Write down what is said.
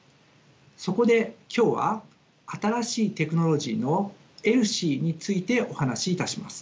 そこで今日は新しいテクノロジーのＥＬＳＩについてお話しいたします。